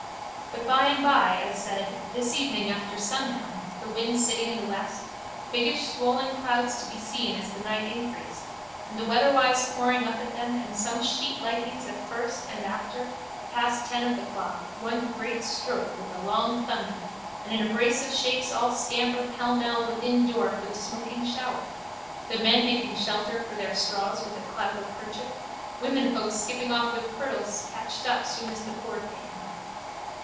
But by and by, as said, this evening after sundown, the wind sitting in the west, biggish swollen clouds to be seen as the night increased and the weatherwise poring up at them and some sheet lightnings at first and after, past ten of the clock, one great stroke with a long thunder and in a brace of shakes all scamper pellmell within door for the smoking shower, the men making shelter for their straws with a clout or kerchief, womenfolk skipping off with kirtles catched up soon as the pour came.